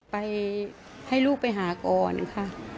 ไปให้ลูกไปหาก่อนค่ะ